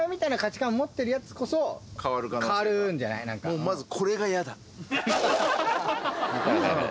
もうまず。